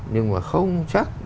nhưng mà không chắc